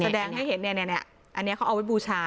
แสดงให้เห็นเนี้ยเนี้ยเนี้ยอันเนี้ยเขาเอาไว้บูชา